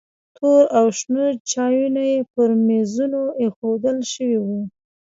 تور او شنه چایونه پر میزونو ایښودل شوي وو.